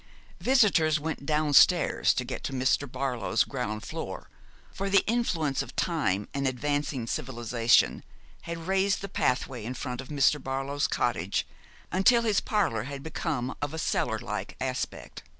Visitors went downstairs to get to Mr. Barlow's ground floor, for the influence of time and advancing civilisation had raised the pathway in front of Mr. Barlow's cottage until his parlour had become of a cellar like aspect.